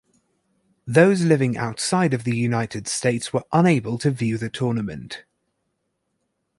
Those living outside of the United States were unable to view the tournament.